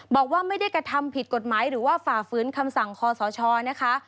บอกว่าไม่ได้กระทำผิดกฎหมายหรือว่าฝ่าฝืนคำสั่งคอสชนะคะ